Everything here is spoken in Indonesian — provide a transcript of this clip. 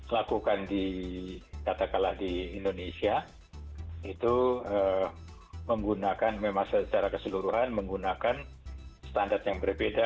lakukan di katakanlah di indonesia itu menggunakan memang secara keseluruhan menggunakan standar yang berbeda